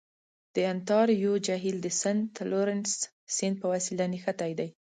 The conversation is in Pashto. د انتاریو جهیل د سنت لورنس سیند په وسیله نښتی دی.